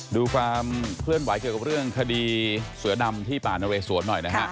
ดูความเคลื่อนไหวเกี่ยวกับเรื่องคดีเสือดำที่ป่านเรสวนหน่อยนะฮะ